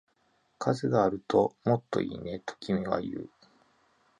風があるともっといいね、と君は言う